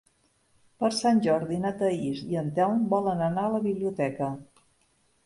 Per Sant Jordi na Thaís i en Telm volen anar a la biblioteca.